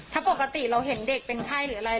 ถ้าปกติเราเห็นเด็กเป็นไข้หรืออะไร